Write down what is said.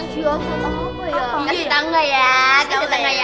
kaya setangga ya